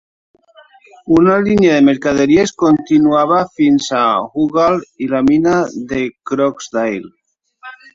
Una línia de mercaderies continuava fins a Houghall i la mina de Croxdale.